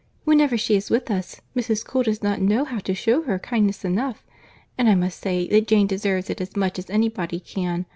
Whenever she is with us, Mrs. Cole does not know how to shew her kindness enough; and I must say that Jane deserves it as much as any body can.